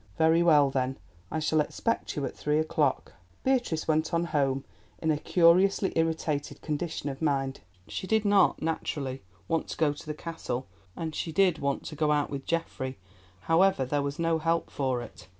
"Very well, then; I shall expect you at three o'clock." Beatrice went on home in a curiously irritated condition of mind. She did not, naturally, want to go to the Castle, and she did want to go out with Geoffrey. However, there was no help for it.